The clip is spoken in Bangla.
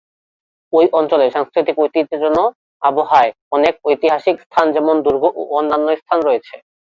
এই অঞ্চলের সাংস্কৃতিক ঐতিহ্যের জন্য আবহায় অনেক ঐতিহাসিক স্থান যেমন দুর্গ ও অন্যান্য স্থান রয়েছে।